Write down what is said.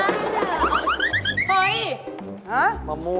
หน้าเดียว